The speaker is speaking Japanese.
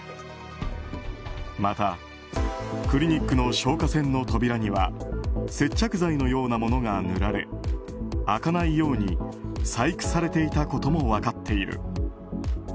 またクリニックの消火栓の扉には接着剤のようなものが塗られ開かないように細工されていたことも分かっている。